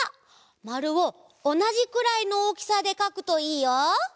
まるをおなじくらいのおおきさでかくといいよ！